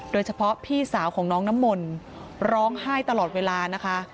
โดยเฉพาะพี่สาวของน้องน้ำมนร้องไห้ตลอดเวลานะคะ